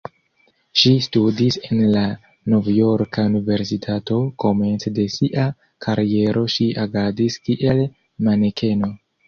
Ŝi studis en la Novjorka Universitato, komence de sia kariero ŝi agadis kiel manekeno.